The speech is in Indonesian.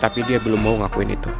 tapi dia belum mau ngakuin itu